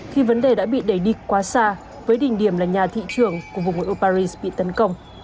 khi vấn đề đã bị đẩy đi quá xa với đình điểm là nhà thị trường của vùng ngôi âu paris bị tấn công